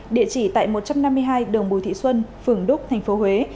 địa chỉ tại một trăm năm mươi hai đường bùi thị xuân phường đúc tp huế